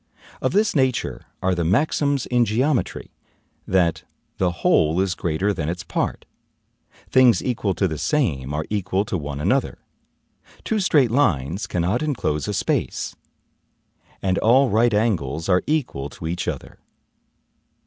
Of this nature are the maxims in geometry, that "the whole is greater than its part; things equal to the same are equal to one another; two straight lines cannot enclose a space; and all right angles are equal to each other."